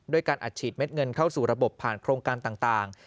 การอัดฉีดเม็ดเงินเข้าสู่ระบบผ่านโครงการต่าง